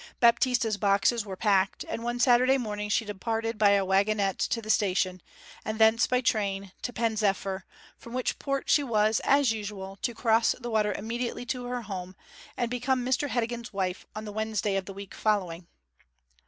Baptista's boxes were packed, and one Saturday morning she departed by a waggonette to the station, and thence by train to Pen zephyr, from which port she was, as usual, to cross the water immediately to her home, and become Mr Heddegan's wife on the Wednesday of the week following.